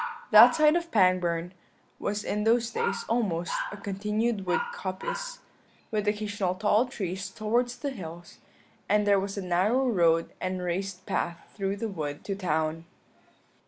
That side of Pangbourne was in those days almost a continued wood coppice, with occasional tall trees towards the hills, and there was a narrow road and raised path through the wood to the town.